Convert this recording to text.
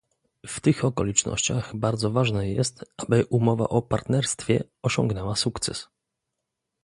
W tych okolicznościach bardzo ważne jest, aby umowa o partnerstwie osiągnęła sukces